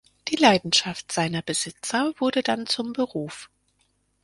Die Leidenschaft seiner Besitzer wurde dann zum Beruf.